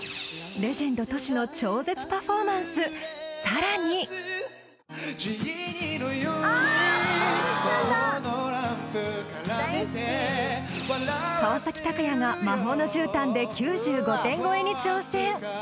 レジェンドＴｏｓｈｌの超絶パフォーマンス、更に川崎鷹也が「魔法の絨毯」で９５点超えに挑戦。